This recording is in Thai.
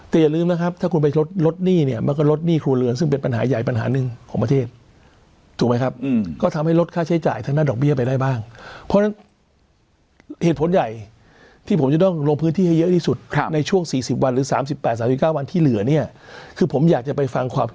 แต่อย่าลืมนะครับถ้าคุณไปลดลดหนี้เนี่ยมันก็ลดหนี้ครัวเรือนซึ่งเป็นปัญหาใหญ่ปัญหาหนึ่งของประเทศถูกไหมครับก็ทำให้ลดค่าใช้จ่ายทางด้านดอกเบี้ยไปได้บ้างเพราะฉะนั้นเหตุผลใหญ่ที่ผมจะต้องลงพื้นที่ให้เยอะที่สุดในช่วง๔๐วันหรือ๓๘๓๙วันที่เหลือเนี่ยคือผมอยากจะไปฟังความ